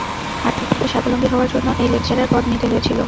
আর্থিকভাবে স্বাবলম্বী হওয়ার জন্য এই লেকচারার পদ নিতে হয়েছিল।